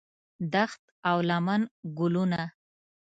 دښت او لمن ګلونه